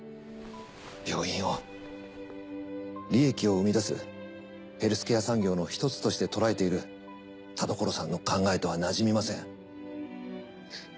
病院を利益を生み出すヘルスケア産業の一つとしてとらえている田所さんの考えとはなじみません。